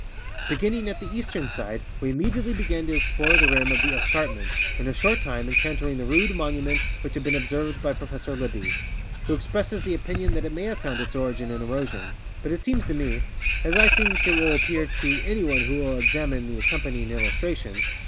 Beginning at the eastern side we immediately began to explore the rim of the escarpment, in a short time encountering the rude monument which had been observed by Professor Libbey, who FIG. 2 AN ARTIFICIAL MONUMENT ON THE SUMMIT expresses the opinion that it may have found its origin in ero sion ; but it seems to me, as I think it will appear to any one who will examine the accompanying illustration (Fig.